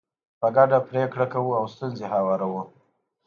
په ګډه پرېکړې کوو او ستونزې هواروو.